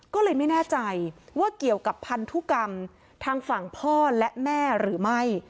ก็เลยไม่แน่ใจว่าเกี่ยวกับพันธุกรรมทางฝั่งพ่อและแม่หรือไม่